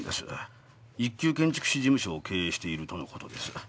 一級建築士事務所を経営しているとの事です。